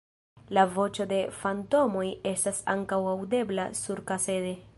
La voĉo de fantomoj estas ankaŭ aŭdebla surkasede.